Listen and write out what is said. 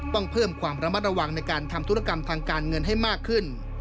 ต้องเพิ่มความระมัดระวังในการทำธุรกรรมทางการเงินให้มากขึ้น